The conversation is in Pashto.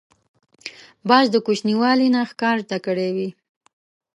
باز د کوچنیوالي نه ښکار زده کړی وي